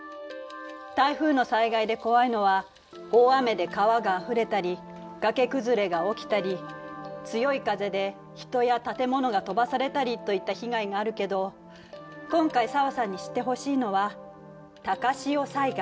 台風の災害で怖いのは大雨で川があふれたり崖崩れが起きたり強い風で人や建物が飛ばされたりといった被害があるけど今回紗和さんに知ってほしいのは高潮災害。